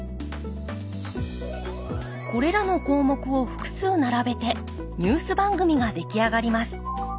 これらの項目を複数並べてニュース番組が出来上がります。